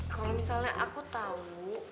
kalo misalnya aku tau